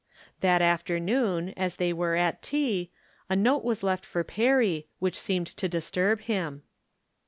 That afternoon, as ■ they were at tea, a note was left for Perry, which seemed to disturb him.